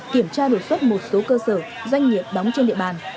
kiểm tra đột xuất một số cơ sở doanh nghiệp đóng trên địa bàn